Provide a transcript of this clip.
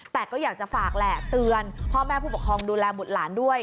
แต่ก็อยากจะฝากแหละเตือนพ่อแม่ผู้ปกครองดูแลบุตรหลานด้วย